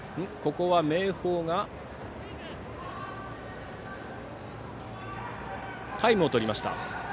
ここは明豊がタイムを取りました。